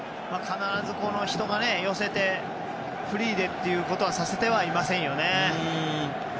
必ず、この人が寄せてフリーでということはさせてはいませんよね。